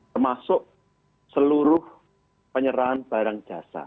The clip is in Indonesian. termasuk seluruh penyerahan barang jasa